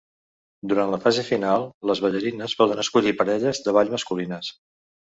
Durant la fase final, les ballarines poden escollir parelles de ball masculines.